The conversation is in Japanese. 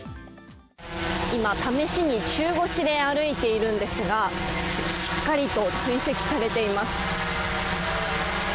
今、試しに中腰で歩いているんですが、しっかりと追跡されています。